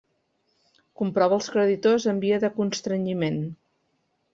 Comprova els creditors en via de constrenyiment.